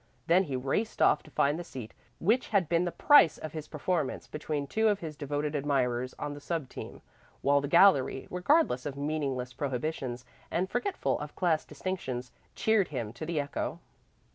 Then he raced off to find the seat which had been the price of his performance between two of his devoted admirers on the sub team, while the gallery, regardless of meaningless prohibitions and forgetful of class distinctions, cheered him to the echo.